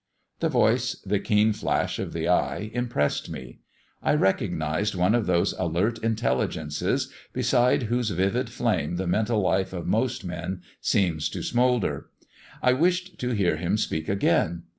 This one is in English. The voice, the keen flash of the eye, impressed me. I recognised one of those alert intelligences, beside whose vivid flame the mental life of most men seems to smoulder. I wished to hear him speak again.